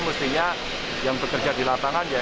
mestinya yang bekerja di lapangan ya